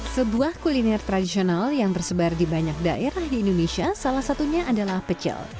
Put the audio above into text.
sebuah kuliner tradisional yang tersebar di banyak daerah di indonesia salah satunya adalah pecel